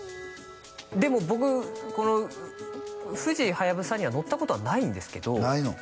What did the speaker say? でも僕この富士・はやぶさには乗ったことはないんですけどないの？